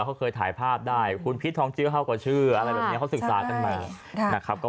เพราะพี่ถ้านเขาก็เชื่อแบบนี้นะ